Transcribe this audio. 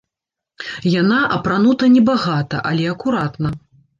Яна апранута небагата, але акуратна.